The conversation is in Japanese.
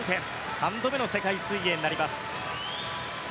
３度目の世界水泳になります。